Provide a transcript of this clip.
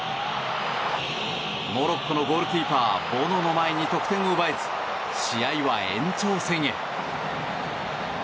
モロッコのゴールキーパーボノの前に得点を奪えず試合は延長戦へ。